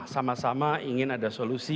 sama sama ingin ada solusi